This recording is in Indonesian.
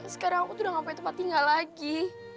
sekarang aku udah sampai tempat tinggal lagi